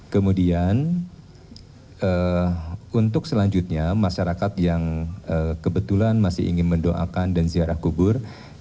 kemudian untuk selanjutnya masyarakat yang kebetulan masih ingin mendoakan dan ziarah kubur